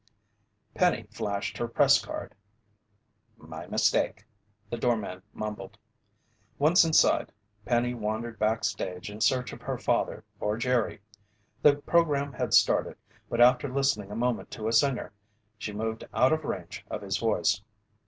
Penny flashed her press card. "My mistake," the doorman mumbled. Once inside, Penny wandered backstage in search of her father or Jerry. The program had started, but after listening a moment to a singer, she moved out of range of his voice.